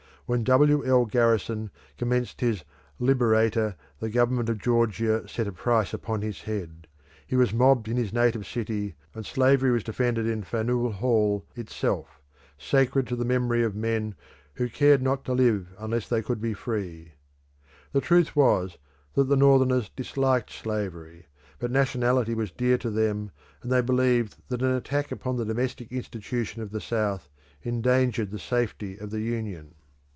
When W. L. Garrison commenced his Liberator, the government of Georgia set a price upon his head, he was mobbed in his native city, and slavery was defended in Faneuil Hall itself, sacred to the memory of men who cared not to live unless they could be free. The truth was, that the Northerners disliked slavery, but nationality was dear to them and they believed that an attack upon the "domestic institution" of the South endangered the safety of the Union.